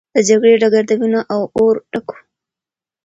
د جګړې ډګر د وینو او اور ډک و.